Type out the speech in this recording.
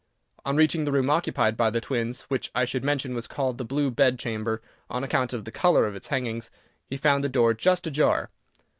On reaching the room occupied by the twins, which I should mention was called the Blue Bed Chamber, on account of the colour of its hangings, he found the door just ajar.